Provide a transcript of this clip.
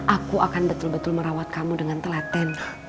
aku akan betul betul merawat kamu dengan telaten